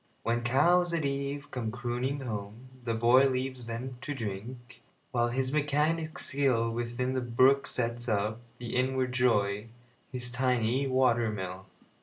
When cows at eve come crooning home, the boyLeaves them to drink, while his mechanic skillWithin the brook sets up, with inward joy, His tiny water mill.